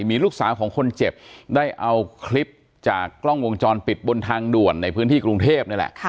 มีลูกสาวของคนเจ็บได้เอาคลิปจากกล้องวงจรปิดบนทางด่วนในพื้นที่กรุงเทพนี่แหละ